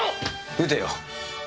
撃てよ。